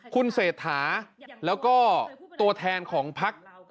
คุณเศษฐาแล้วก็ตัวแทนของพรรคเพื่อไทย